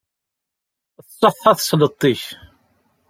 Tṣeḥḥa tesleṭ-ik.